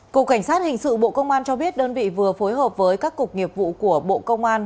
cục cảnh sát hình sự bộ công an cho biết đơn vị vừa phối hợp với các cục nghiệp vụ của bộ công an